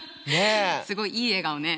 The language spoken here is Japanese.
すごいいい笑顔ね。